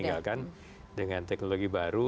ditinggalkan dengan teknologi baru